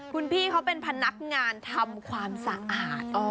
คุณพี่เขาเป็นพนักงานทำความสะอาด